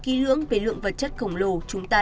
kỹ lưỡng về lượng vật chất khổng lồ chúng ta